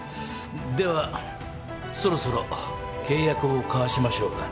ではそろそろ契約を交わしましょうか。